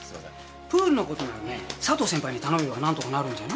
プールのことならね佐藤先輩に頼めば何とかなるんじゃない？